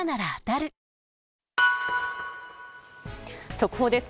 速報です。